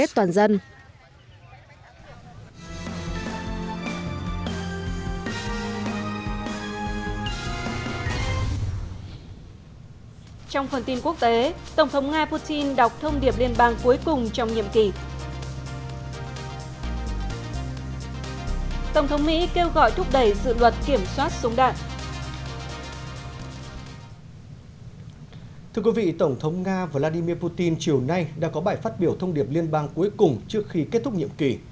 tổng thống nga vladimir putin chiều nay đã có bài phát biểu thông điệp liên bang cuối cùng trước khi kết thúc nhiệm kỳ